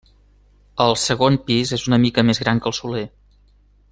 El segon pis és una mica més gran que el soler.